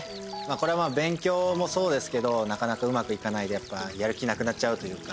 これまあ勉強もそうですけどなかなかうまくいかないとやっぱやる気なくなっちゃうというか。